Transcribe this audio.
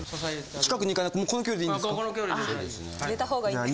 近くに行かなくてもうこの距離でいいんですか。